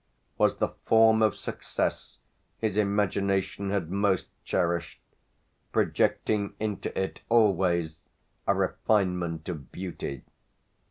was the form of success his imagination had most cherished, projecting into it always a refinement of beauty.